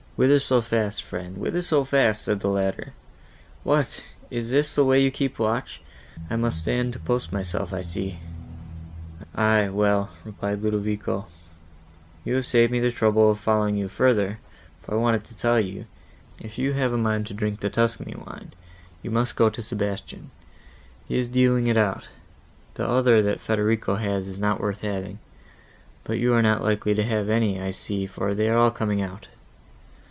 "Whither so fast, friend—whither so fast?" said the latter. "What! is this the way you keep watch! I must stand to my post myself, I see." "Aye, well," replied Ludovico, "you have saved me the trouble of following you further, for I wanted to tell you, if you have a mind to drink the Tuscany wine, you must go to Sebastian, he is dealing it out; the other that Federico has, is not worth having. But you are not likely to have any, I see, for they are all coming out."